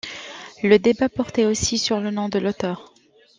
Le débat portait aussi sur le nom de l’auteur.